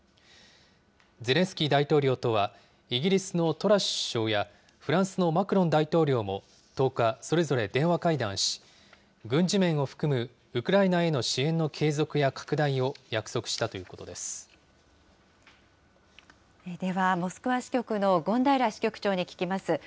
ゼレンスキー大統領とは、イギリスのトラス首相やフランスのマクロン大統領も１０日、それぞれ電話会談し、軍事面を含むウクライナへの支援の継続や拡大を約束したというこでは、モスクワ支局の権平支局長に聞きます。